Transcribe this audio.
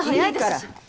いいから。